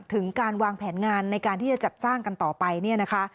ถึงการวางแผนงานในการที่จะจัดสร้างกันต่อไปเนี่ยนะคะ